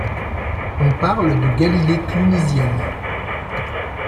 On parle de galilées clunisiennes.